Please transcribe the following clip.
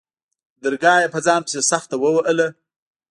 درگاه يې په ځان پسې سخته ووهله.